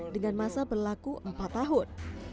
dengan masa berlaku empat tahun